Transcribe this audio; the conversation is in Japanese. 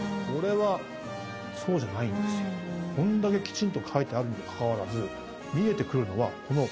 こんだけきちんと描いてあるにもかかわらず。